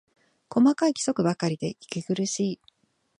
細かい規則ばかりで息苦しい